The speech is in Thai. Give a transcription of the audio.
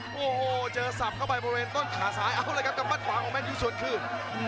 โอ้โหเจอสับเข้าไปบริเวณต้นขาซ้ายเอาเลยครับกำมัดขวาของแมนยูสวนคืน